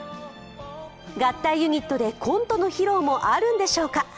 合体ユニットでコントの披露もあるんでしょうか。